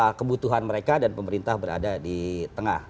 apa kebutuhan mereka dan pemerintah berada di tengah